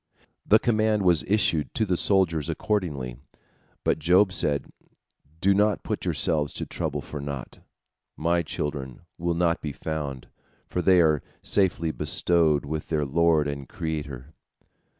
The command was issued to the soldiers accordingly, but Job said, "Do not put yourselves to trouble for naught. My children will not be found, for they are safely bestowed with their Lord and Creator."